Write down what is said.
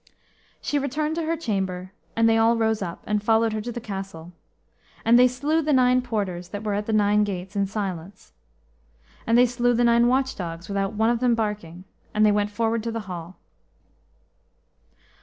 She returned to her chamber, and they all rose up, and followed her to the castle. And they slew the nine porters, that were at the nine gates, in silence. And they slew the nine watch dogs without one of them barking. And they went forward to the hall.